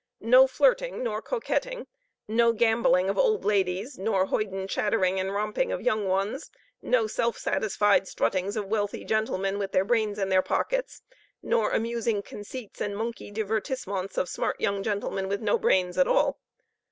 No flirting nor coquetting no gambling of old ladies, nor hoyden chattering and romping of young ones no self satisfied struttings of wealthy gentlemen with their brains in their pockets nor amusing conceits and monkey divertissements of smart young gentlemen with no brains at all.